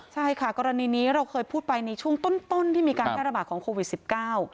ใช่ค่ะกรณีนี้เราเคยพูดไปในช่วงต้นต้นที่มีการแพร่ระบาดของโควิดสิบเก้า